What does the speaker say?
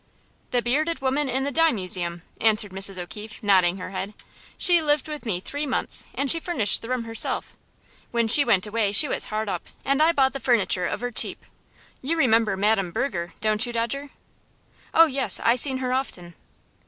"The bearded woman in the dime museum," answered Mrs. O'Keefe, nodding her head. "She lived with me three months, and she furnished the room herself. When she went away she was hard up, and I bought the furniture of her cheap. You remember Madam Berger, don't you, Dodger?" "Oh, yes, I seen her often."